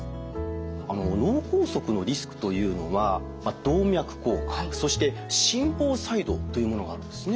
脳梗塞のリスクというのは動脈硬化そして心房細動というものがあるんですね。